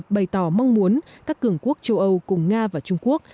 bày tỏ mong muốn các cường quốc châu âu cùng nga và trung quốc